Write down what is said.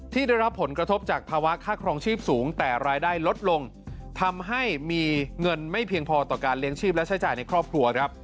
ได้รับผลกระทบจากภาวะค่าครองชีพสูงแต่รายได้ลดลงทำให้มีเงินไม่เพียงพอต่อการเลี้ยงชีพและใช้จ่ายในครอบครัวครับ